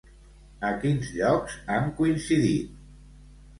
A quins llocs han coincidit?